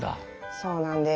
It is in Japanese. そうなんです。